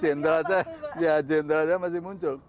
jenderal saya ya jenderal aja masih muncul